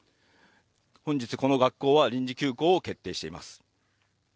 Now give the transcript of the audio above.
本日この学校は臨時休校を決定しています。